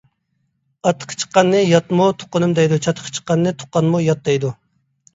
ئاتىقى چىققاننى ياتمۇ تۇغقىنىم دەيدۇ، چاتىقى چىققاننى تۇغقانمۇ يات دەيدۇ.